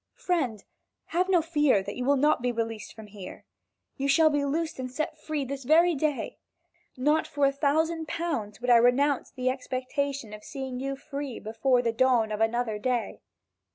"Friend, have no fear that you will not be released from here. You shall be loosed and set free this very day. Not for a thousand pounds would I renounce the expectation of seeing you free before the datum of another day.